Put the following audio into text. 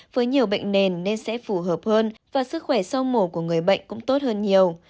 với nhiều bệnh nền nên sẽ phù hợp hơn và sức khỏe sau mổ của người bệnh cũng tốt hơn nhiều